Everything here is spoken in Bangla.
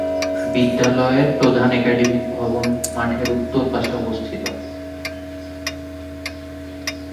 বিদ্যালয়ের প্রধান একাডেমিক ভবন মাঠের উত্তর পাশে অবস্থিত।